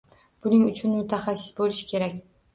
Buning uchun mutahassis bo`lish kerak